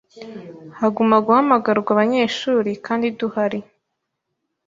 haguma guhamagarwa abanyeshuri kandi duhari